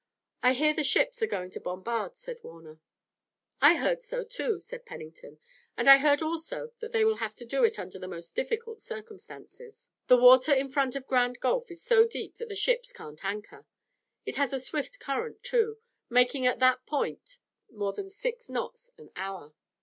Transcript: "I hear the ships are going to bombard," said Warner. "I heard so, too," said Pennington, "and I heard also that they will have to do it under the most difficult circumstances. The water in front of Grand Gulf is so deep that the ships can't anchor. It has a swift current, too, making at that point more than six knots an hour.